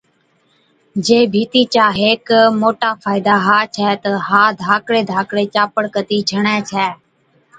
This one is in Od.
جي ڀِيتي چا هيڪ موٽا فائِدا ها ڇَي تہ ها ڌاڪڙي ڌاڪڙي چاپڙ ڪتِي ڇَڻي ڇَي